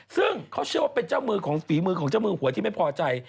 ซึ่งเขาเชื่อว่าเป็นเจ้ามือของฝีมือของเจ้ามือหวยที่ไม่พอใจ